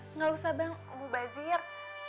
enggak usah bang mau bazir